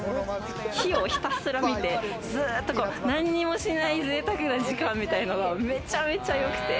火をひたすら見て、ずっと何にもしない贅沢な時間みたいなのがめちゃめちゃ良くて。